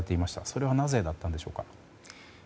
それはなぜだったんでしょうか。